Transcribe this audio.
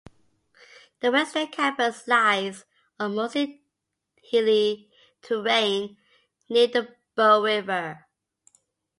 The western campus lies on mostly hilly terrain, near the Bow River.